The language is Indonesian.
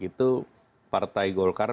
itu partai golkar